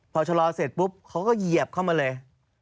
พอชะลอเสร็จปุ๊บเขาก็เหยียบเข้ามาเลย